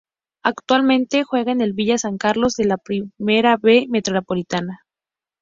Actualmente juega en el Villa San Carlos de la Primera B metropolitana.